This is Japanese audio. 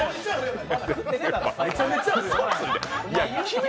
めちゃめちゃあるよ。